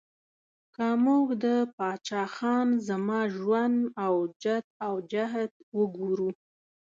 که موږ د پاچا خان زما ژوند او جد او جهد وګورو